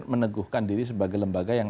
meneguhkan diri sebagai lembaga yang